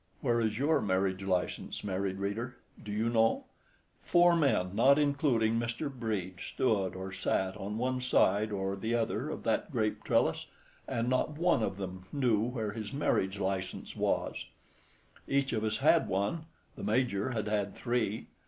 Where is your marriage license, married reader? Do you know? Four men, not including Mr. Brede, stood or sat on one side or the other of that grape trellis, and not one of them knew where his marriage license was. Each of us had had one—the Major had had three.